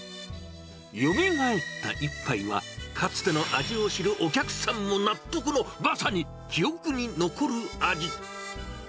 よみがえった一杯は、かつての味を知るお客さんも納得の、まさに記憶に残る味。